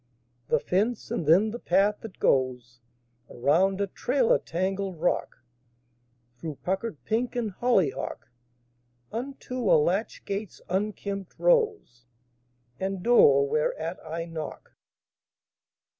The fence; and then the path that goes Around a trailer tangled rock, Through puckered pink and hollyhock, Unto a latch gate's unkempt rose, And door whereat I knock.